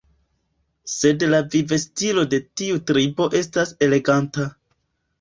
Sed la vivstilo de tiu tribo estas eleganta.